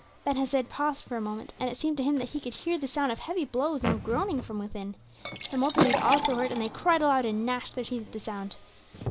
Ben Hesed paused for a moment, and it seemed to him that he could hear the sound of heavy blows and of groaning from within. The multitude also heard, and they cried aloud and gnashed their teeth at the sound.